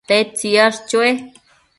tedta yash chue?